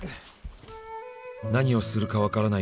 「何をするか分からない